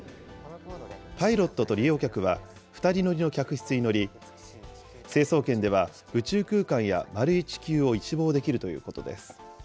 パイロットと利用客は２人乗りの客室に乗り、成層圏では宇宙空間や丸い地球を一望できるということです。